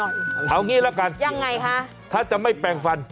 เอางี้ละกันยังไงคะถ้าจะไม่แปลงฟัน